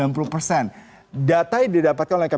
data yang didapatkan oleh kemenkom info juga mengatakan